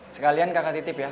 sekalian kakak titip ya